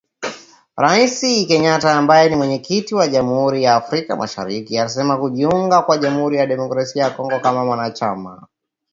Rais Kenyatta ambaye ni Mwenyekiti wa Jamhuri ya Afrika Mashariki alisema, kujiunga kwa Jamhuri ya Kidemokrasi ya Kongo kama mwanachama